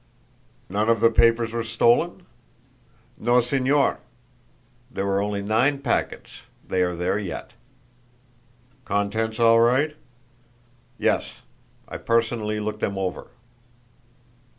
"None of the papers was stolen?" "No, Señor. There were only nine packets they are there yet." "Contents all right?" "Yes. I personally looked them over."